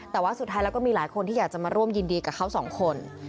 แต่ว่าสุดท้ายแล้วก็มีหลายคนที่อยากจะมาร่วมยินดีกับเขาสองคน